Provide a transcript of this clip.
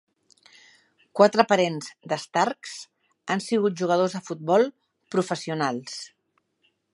Quatre parents de Starks han sigut jugadors de futbol professionals.